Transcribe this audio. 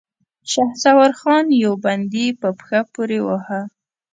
شهسوار خان يو بندي په پښه پورې واهه.